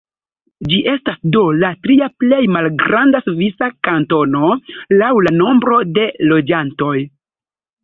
Ĝi estas do la tria plej malgranda svisa kantono laŭ la nombro de loĝantoj.